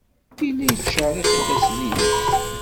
Yella yettcerriq ifassen-nnes.